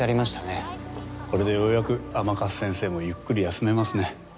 これでようやく甘春先生もゆっくり休めますね。